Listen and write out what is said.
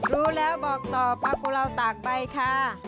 รู้แล้วบอกต่อปลากุลาวตากใบค่ะ